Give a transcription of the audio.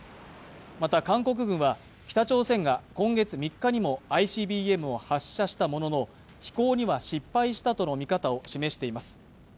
また韓国軍は北朝鮮が今月３日にもＩＣＢＭを発射したものの飛行には失敗したとの見方を示しています